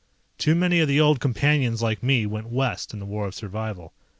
Too many of the old Companions like me went west in the War of Survival.